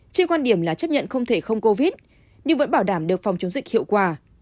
trên quan điểm là chấp nhận không thể không covid nhưng vẫn bảo đảm được phòng chống dịch hiệu quả